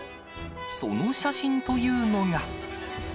その写真というのが。